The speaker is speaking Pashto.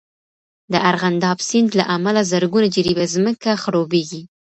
د ارغنداب سیند له امله زرګونه جریبه ځمکه خړوبېږي.